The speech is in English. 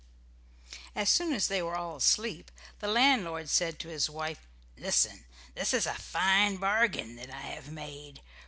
As soon as they were all asleep the landlord said to his wife, "Listen! This is a fine bargain that I have made.